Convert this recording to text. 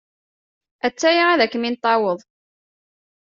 A-tt-aya ad kem-in-taweḍ.